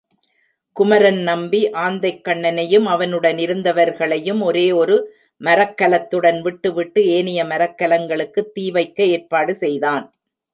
குமரன் நம்பி ஆந்தைக்கண்ணனையும், அவனுடனிருந்தவர்களையும் ஒரே ஒரு மரக்கலத்துடன் விட்டுவிட்டு ஏனைய மரக்கலங்களுக்குத் தீ வைக்க ஏற்பாடு செய்தான்.